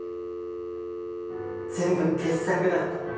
全部傑作だった。